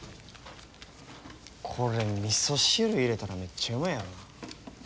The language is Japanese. これみそ汁入れたらめっちゃうまいやろな。